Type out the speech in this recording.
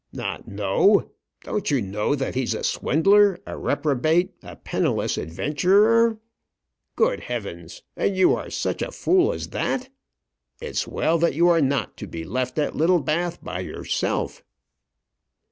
"Not know! Don't you know that he's a swindler, a reprobate, a penniless adventurer? Good heavens! And you are such a fool as that! It's well that you are not to be left at Littlebath by yourself."